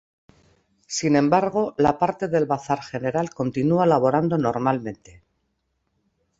Sin embargo, la parte del bazar general continúa laborando normalmente.